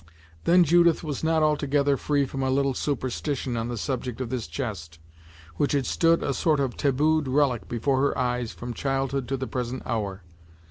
Then Judith was not altogether free from a little superstition on the subject of this chest, which had stood a sort of tabooed relic before her eyes from childhood to the present hour.